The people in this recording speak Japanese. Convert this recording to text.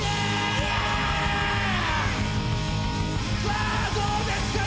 さあどうですか？